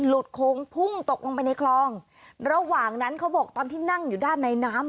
โค้งพุ่งตกลงไปในคลองระหว่างนั้นเขาบอกตอนที่นั่งอยู่ด้านในน้ำ